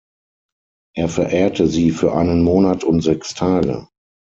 Er verehrte sie für einen Monat und sechs Tage.